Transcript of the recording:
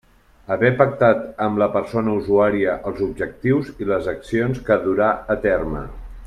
Haver pactat amb la persona usuària els objectius i les accions que durà a terme.